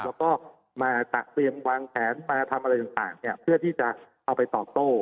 แล้วก็มาตะเตรียมวางแผนมาทำอะไรต่างเพื่อที่จะเอาไปตอบโต้